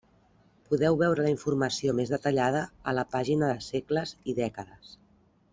Podeu veure la informació més detallada a la pàgina de segles i dècades.